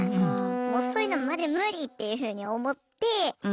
もうそういうのマジ無理っていうふうに思って。